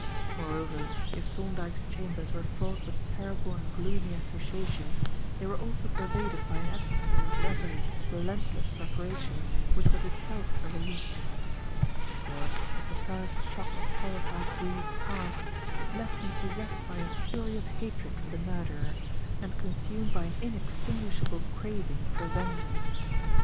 Moreover, if Thorndyke's chambers were fraught with terrible and gloomy associations, they were also pervaded by an atmosphere of resolute, relentless preparation which was itself a relief to me; for, as the first shock of horrified grief passed, it left me possessed by a fury of hatred for the murderer and consumed by an inextinguishable craving for vengeance.